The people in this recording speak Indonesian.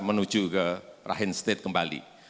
menuju ke rahim state kembali